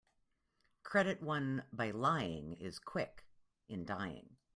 Credit won by lying is quick in dying.